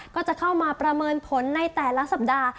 ก็จะเข้ามาประเมินผลในแต่ละสัปดาห์